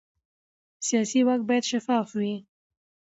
سیاسي واک باید شفاف وي